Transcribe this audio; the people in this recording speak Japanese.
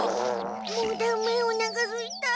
もうダメおなかすいた。